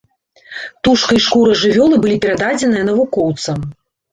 Тушка і шкура жывёлы былі перададзеныя навукоўцам.